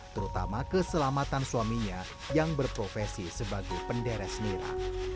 terutama keselamatan suaminya yang berprofesi sebagai penderes nira